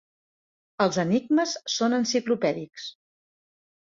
Els enigmes són enciclopèdics.